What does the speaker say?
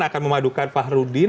akan memadukan fakhrudin